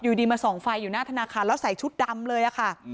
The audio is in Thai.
ดีมาส่องไฟอยู่หน้าธนาคารแล้วใส่ชุดดำเลยค่ะ